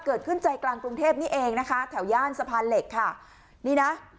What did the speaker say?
ใจกลางกรุงเทพนี่เองนะคะแถวย่านสะพานเหล็กค่ะนี่นะ